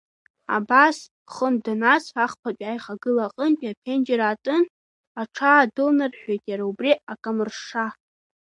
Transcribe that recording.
Абас хынтә данас, ахԥатәи аихагыла аҟынтәи аԥенџьыр аатын, аҽаадәылнарҳәҳәеит иара убри акамыршша.